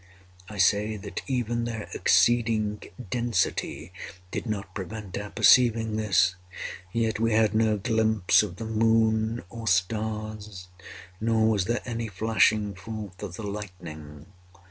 I say that even their exceeding density did not prevent our perceiving this—yet we had no glimpse of the moon or stars—nor was there any flashing forth of the lightning.